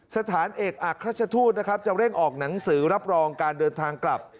สถานเอกอักราชทูตนะครับจะเร่งออกหนังสือรับรองการเดินทางกลับ